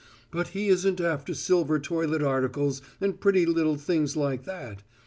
But he isn't after silver toilet articles and pretty little things like that.